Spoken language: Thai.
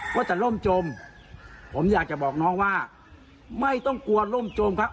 ว่าจะล่มจมผมอยากจะบอกน้องว่าไม่ต้องกลัวร่มจมครับ